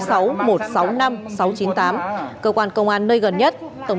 và cung cấp thông tin qua trang facebook công an tp hà nội